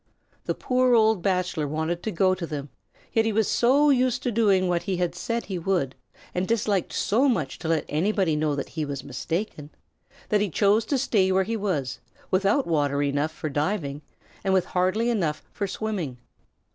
The poor old Bachelor wanted to go to them, yet he was so used to doing what he had said he would, and disliked so much to let anybody know that he was mistaken, that he chose to stay where he was, without water enough for diving and with hardly enough for swimming.